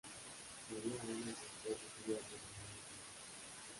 María Ana y su esposo tuvieron un matrimonio feliz.